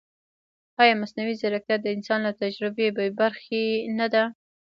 ایا مصنوعي ځیرکتیا د انسان له تجربې بېبرخې نه ده؟